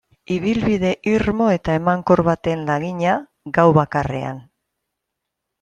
Ibilbide irmo eta emankor baten lagina, gau bakarrean.